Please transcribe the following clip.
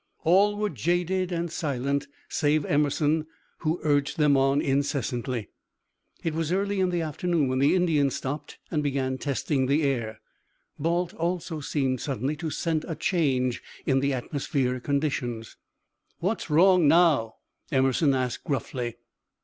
All were jaded and silent, save Emerson, who urged them on incessantly. It was early in the afternoon when the Indian stopped and began testing the air; Balt also seemed suddenly to scent a change in the atmospheric conditions. "What's wrong now?" Emerson asked, gruffly.